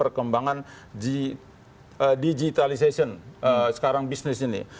perkembangan digitalization sekarang bisnis ini